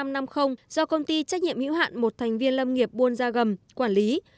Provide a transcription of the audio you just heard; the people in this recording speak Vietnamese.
do công ty trách nhiệm hữu hạn một thành viên lâm nghiệp buôn ra gầm quản lý